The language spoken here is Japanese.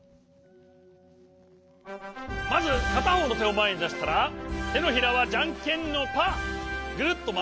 まずかたほうのてをまえにだしたらてのひらはじゃんけんのパーぐるっとまわすよ。